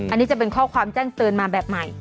อันนี้จะเป็นข้อความแจ้งเตือนมาแบบใหม่